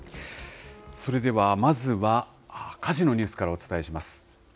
それではまずは、火事のニュースからお伝えします。